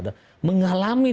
dan mengalami dalamnya